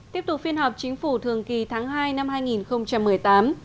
tiếp tục phiên họp chính phủ thường kỳ tháng hai năm hai nghìn một mươi tám